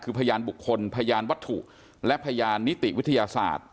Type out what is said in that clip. คือพยานบุคคลพยานวัตถุและพยานนิติวิทยาศาสตร์